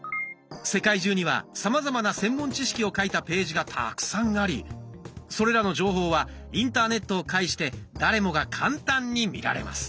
世界中にはさまざまな専門知識を書いたページがたくさんありそれらの情報はインターネットを介して誰もが簡単に見られます。